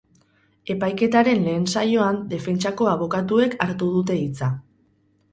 Epaiketaren lehen saioan defentsako abokatuek hartu dute hitza.